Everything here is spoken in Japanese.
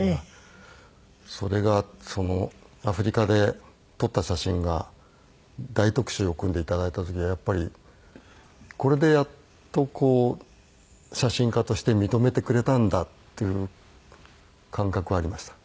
それがアフリカで撮った写真が大特集を組んで頂いた時はやっぱりこれでやっと写真家として認めてくれたんだという感覚はありました。